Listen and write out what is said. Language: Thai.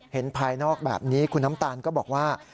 ภายนอกแบบนี้คุณน้ำตาลก็บอกว่า